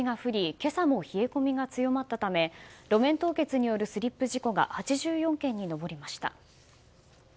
今朝も冷え込みが強まったため路面凍結によるスリップ事故が８４件に及びました。